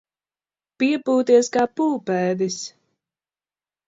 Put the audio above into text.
Piepūties kā pūpēdis.